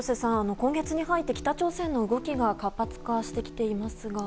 今月に入って北朝鮮の動きが活発化してきていますが。